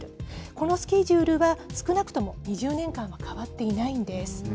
このスケジュールは、少なくとも２０年間は変わっていないんです。